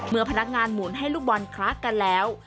เมื่อพนักงานหมุนให้ลูกบ่อนคลาสกันแล้ว